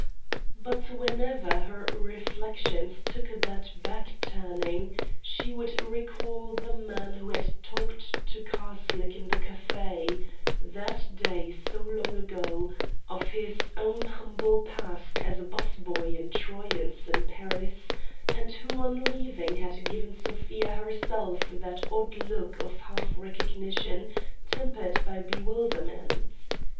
But whenever her reflections took that back turning she would recall the man who had talked to Karslake in the café, that day so long ago, of his own humble past as a 'bus boy in Troyon's in Paris, and who on leaving had given Sofia herself that odd look of half recognition tempered by bewilderment.